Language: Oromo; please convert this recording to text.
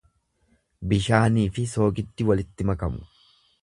Bishaanii fi soogiddi walitti makamu.